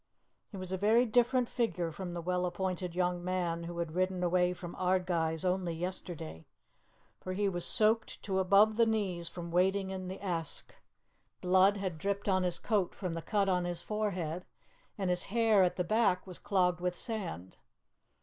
He was a very different figure from the well appointed young man who had ridden away from Ardguys only yesterday, for he was soaked to above the knees from wading in the Esk; blood had dripped on his coat from the cut on his forehead, and his hair at the back was clogged with sand.